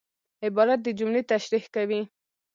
عبارت د جملې تشریح کوي.